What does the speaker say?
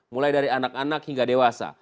mulai dari anak anak hingga dewasa